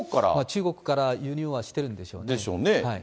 中国から輸入はしてるんでしょうね。